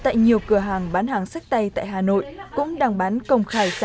tại một cửa hàng bán đồ sách tay của nhật trên phố thái hà